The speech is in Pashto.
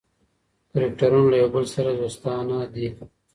کرکټرونه له یو بل سره دوستانه دي.